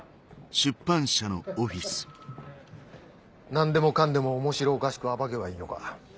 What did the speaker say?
何でもかんでも面白おかしく暴けばいいのか？